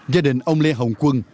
gia đình ông lê hồng quân